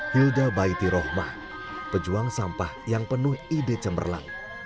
hilda baiti rohmah pejuang sampah yang penuh ide cemerlang